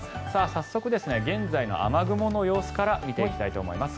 早速、現在の雨雲の様子から見ていきたいと思います。